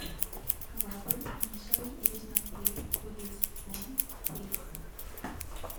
However, initially it is not clear who this 'form' is.